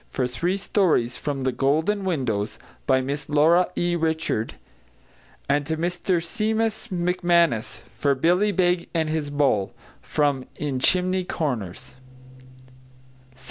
for three stories from The Golden Windows, by Miss Laura E. Richards; and to Mr Seumas McManus for Billy Beg and his Bull, from In Chimney Corners. S.C.